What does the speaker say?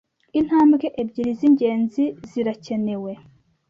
Intambwe ebyiri zingenzi zirakenewe